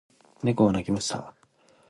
猫が鳴きました。